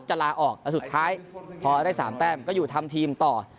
ลาออกแต่สุดท้ายพอได้๓แต้มก็อยู่ทำทีมต่อ